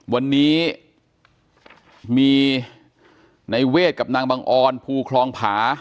วันนี้มีในเวทกับนางบังออนภูคลองผา